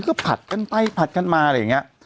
ก็ผัดกันไปผัดกันมาอะไรอย่างนี้